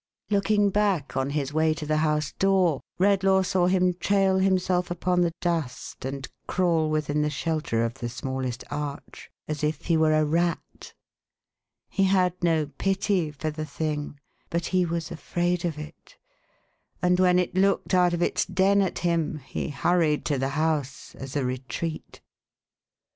Looking back on his way to the house door, Redlaw saw him trail himself upon the dust and crawl within the shelter of the smallest arch, as if he were a rat. He had no pity for the thing, but he was afraid of it ; and when it looked out of its den at him, he hurried to the house as a retreat. *1 482 THE HAUNTED MAX.